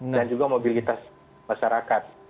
dan juga mobilitas masyarakat